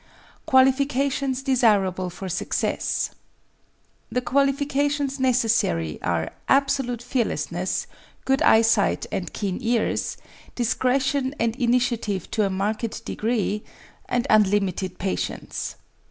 Qualifications desirable for success The qualifications necessary are absolute fearlessness, good eyesight and keen ears, discretion and initiative to a marked degree, and unlimited patience.